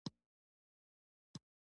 چې ریښې د ګل په تمه